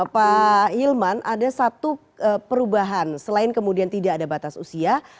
pak hilman ada satu perubahan selain kemudian tidak ada batas usia